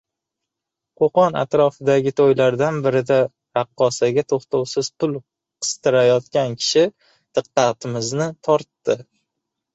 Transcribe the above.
qo‘qon atrofidagi to‘ylardan birida raqqosaga to‘xtovsiz pul qistirayotgan kishi diqqatimizni tortdi.